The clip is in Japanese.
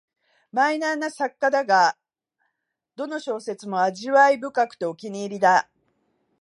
マイナーな作家だが、どの小説も味わい深くてお気に入りだ